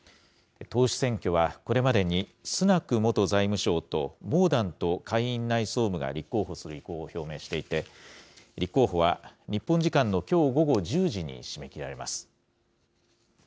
党首選挙は、これまでにスナク元財務相と、モーダント下院院内総務が立候補する意向を表明していて、立候補は日本時間のきょう午後１０時に締め切られます。